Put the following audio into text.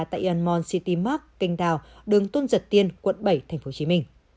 tại yen mon city mark kinh đào đường tôn giật tiên quận bảy tp hcm